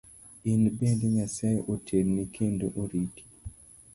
In bende Nyasaye otelni kendo oriti.